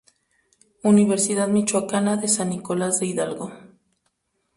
Universidad Michoacana de San Nicolas de Hidalgo.